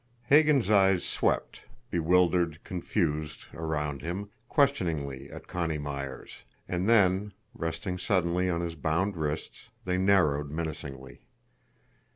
Hagan's eyes swept, bewildered, confused, around him, questioningly at Connie Myers and then, resting suddenly on his bound wrists, they narrowed menacingly.